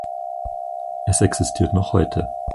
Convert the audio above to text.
Es existiert noch heute.